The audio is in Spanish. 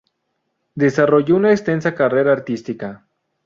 Desarrolló una extensa carrera artística.